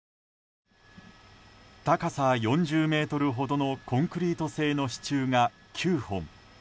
高さ４０ｍほどのコンクリート製の支柱が９本。